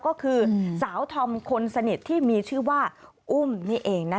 ก็คือสาวธอมคนสนิทที่มีชื่อว่าอุ้มนี่เองนะคะ